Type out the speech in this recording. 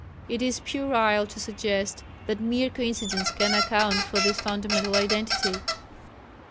It is puerile to suggest that mere coincidence can account for this fundamental identity.